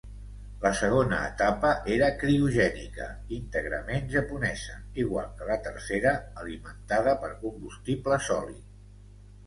La segona etapa era criogènica, íntegrament japonesa, igual que la tercera, alimentada per combustible sòlid.